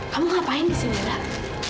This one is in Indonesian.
kamu ngapain di sini nak